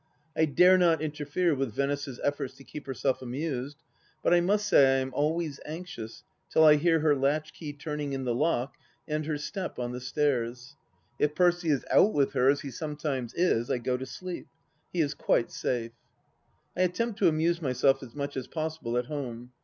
I dare not interfere with Venice's efforts to keep herself amused, but I must say I am always anxious till I hear her latchkey turning in the lock and her step on the stairs. If Percy is out with her, as he sometimes is, I go to sleep. He is quite safe. I attempt to amuse myself as much as possible at home.